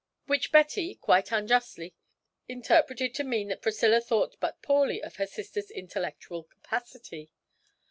which Betty, quite unjustly, interpreted to mean that Priscilla thought but poorly of her sister's intellectual capacity.